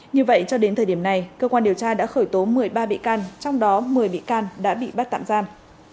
như vậy cho đến thời điểm này cơ quan điều tra đã khởi tố một mươi ba bị can trong đó một mươi bị can đã bị bắt tạm giam